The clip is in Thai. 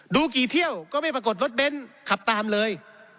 ดูกี่เที่ยวก็ไม่ปรากฏรถเบ้นขับตามเลย